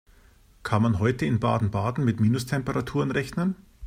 Kann man heute in Baden-Baden mit Minustemperaturen rechnen?